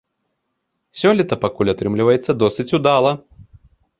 Сёлета пакуль атрымліваецца досыць удала.